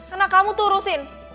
anak kamu tuh urusin